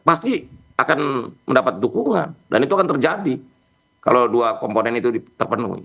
pasti akan mendapat dukungan dan itu akan terjadi kalau dua komponen itu terpenuhi